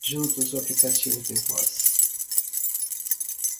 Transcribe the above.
Juntos, o aplicativo de voz